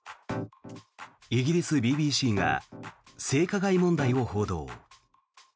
イギリスＢＢＣが性加害問題を報道。